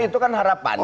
dan itu kan harapannya